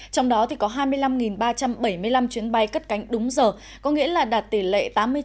trong đó có hai mươi năm ba trăm bảy mươi năm chuyến bay cất cánh đúng giờ có nghĩa là đạt tỷ lệ tám mươi chín